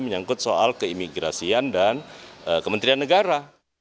menyangkut soal keimigrasian dan kementerian negara